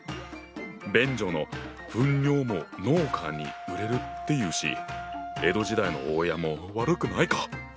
便所の糞尿も農家に売れるっていうし江戸時代の大家も悪くないか！